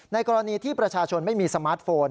กรณีที่ประชาชนไม่มีสมาร์ทโฟน